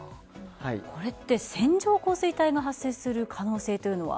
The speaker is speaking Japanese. これって、線状降水帯が発生する可能性というのは？